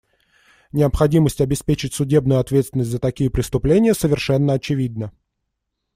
Необходимость обеспечить судебную ответственность за такие преступления совершенно очевидна.